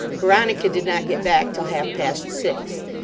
"Veronica did not get back till half past six.